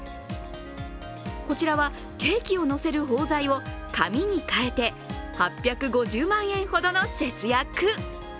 こちらはケーキをのせる包材を紙に替えて８５０万円ほどの節約。